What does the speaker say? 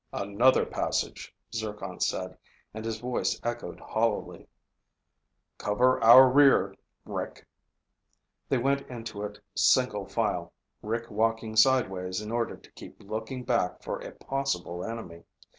"Another passage," Zircon said, and his voice echoed hollowly. "Cover our rear, Rick." They went into it single file, Rick walking sideways in order to keep looking back for a possible enemy.